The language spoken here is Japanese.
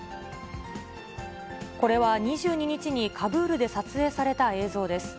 これは２２日にカブールで撮影された映像です。